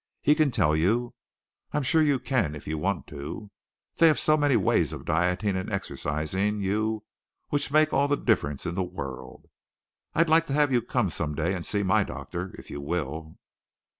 "He can tell you. I'm sure you can if you want to. They have so many ways of dieting and exercising you which make all the difference in the world. I'd like to have you come some day and see my doctor, if you will."